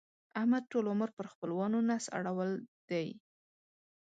احمد ټول عمر پر خپلوانو نس اړول دی.